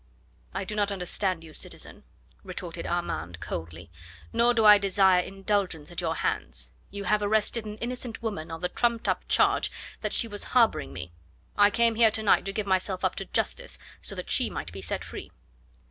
"I do not understand you, citizen," retorted Armand coldly, "nor do I desire indulgence at your hands. You have arrested an innocent woman on the trumped up charge that she was harbouring me. I came here to night to give myself up to justice so that she might be set free."